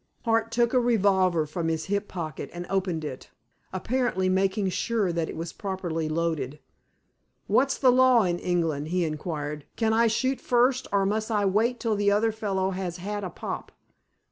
Hart took a revolver from his hip pocket, and opened it, apparently making sure that it was properly loaded. "What's the law in England?" he inquired. "Can I shoot first, or must I wait till the other fellow has had a pop?"